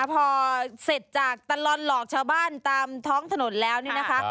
พอเสร็จจากตลอดหลอกชาวบ้านตามท้องถนนแล้วนี่นะคะ